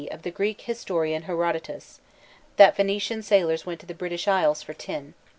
of the Greek historian Herodotus, that Ph[oe]nician sailors went to the British Isles for tin.